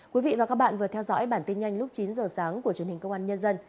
quý vị và các bạn vừa theo dõi bản tin nhanh lúc chín giờ sáng của truyền hình công an nhân dân